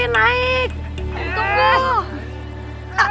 naik juga naik naik